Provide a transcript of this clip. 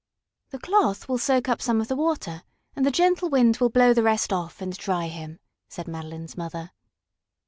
"The cloth will soak up some of the water, and the gentle wind will blow the rest off and dry him," said Madeline's mother.